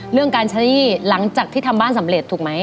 เรื่องการใช้หนี้หลังจากที่ทำบ้านสำเร็จถูกไหม